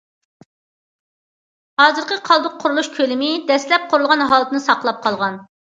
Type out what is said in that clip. ھازىرقى قالدۇق قۇرۇلۇش كۆلىمى دەسلەپ قۇرۇلغان ھالىتىنى ساقلاپ قالغان.